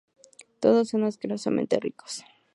todos son asquerosamente ricos